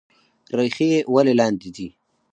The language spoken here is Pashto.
ریښې ولې لاندې ځي؟